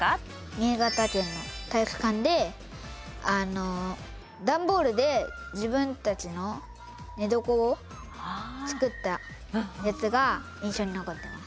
新潟県の体育館で段ボールで自分たちの寝床を作ったやつが印象に残ってます。